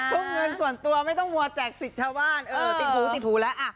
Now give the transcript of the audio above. พวกเงินส่วนตัวไม่ต้องมัวแจกสิทธิ์ชาวบ้านติดหูแล้ว